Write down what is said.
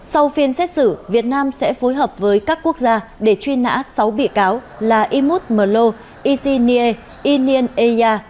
sau phiên xét xử việt nam sẽ phối hợp với các quốc gia để truy nã sáu bị cáo là imut merlo isinie inien eya